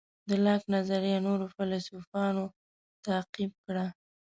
د لاک نظریه نورو فیلیسوفانو تعقیب کړه.